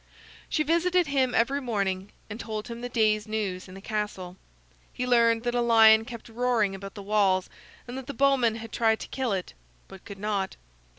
She visited him every morning, and told him the day's news in the castle. He learned that a lion kept roaring about the walls, and that the bowmen had tried to kill it, but could not.